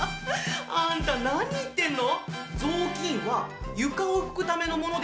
あんた何言ってんの？